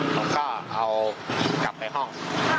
ผมก็เอากลับไปห้อง